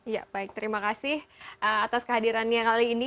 ya baik terima kasih atas kehadirannya kali ini